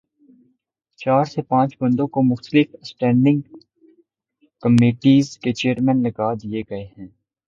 چار سے پانچ بندوں کو مختلف اسٹینڈنگ کمیٹیز کے چیئر پرسن لگادیے گئے ہیں۔